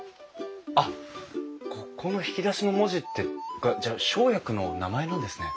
あっここの引き出しの文字ってじゃあ生薬の名前なんですね。